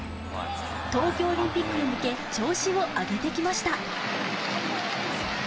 東京オリンピックへ向け、調子を上げてきました。